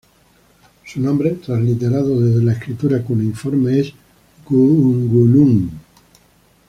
Su nombre, transliterado desde la escritura cuneiforme, es "Gu-un-gu-nu-um".